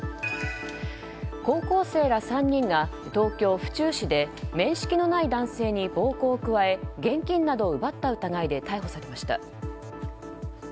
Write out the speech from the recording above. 高校生ら３人が東京・府中市で面識のない男性に暴行を加え現金などを奪った疑いで逮捕されました。